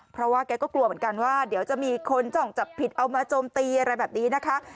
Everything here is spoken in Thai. เพราะว่าแกก็กลัวเหมือนกันว่าเดี๋ยวจะมีคนจ้องจับผิดเอามาโจมตีอะไรแบบนี้นะคะ